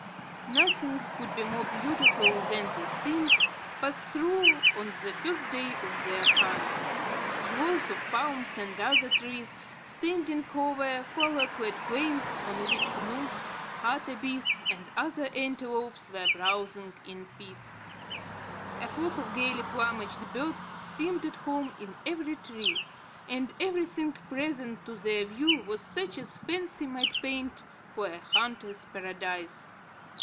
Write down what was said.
Nothing could be more beautiful than the scenes passed through on the first day of their hunt. Groves of palms, and other trees, standing over flower clad plains on which gnoos, hartebeests, and other antelopes were browsing in peace. A flock of gayly plumaged birds seemed at home in every tree; and everything presented to their view was such as fancy might paint for a hunter's paradise.